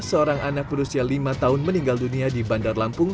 seorang anak berusia lima tahun meninggal dunia di bandar lampung